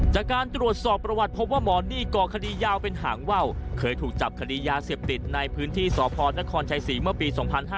จากการตรวจสอบประวัติพบว่าหมอนี่ก่อคดียาวเป็นหางว่าวเคยถูกจับคดียาเสพติดในพื้นที่สพนครชัยศรีเมื่อปี๒๕๕๙